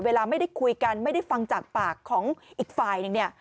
เวลาไม่ได้คุยกันไม่ได้ฟังจากปากของอีกฝ่ายหนึ่งเนี่ย